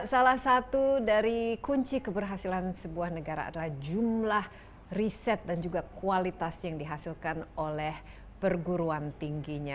salah satu dari kunci keberhasilan sebuah negara adalah jumlah riset dan juga kualitas yang dihasilkan oleh perguruan tingginya